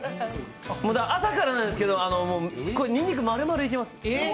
朝からなんですけど、にくにく丸々いけます。